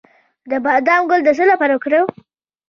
د بادام ګل د څه لپاره وکاروم؟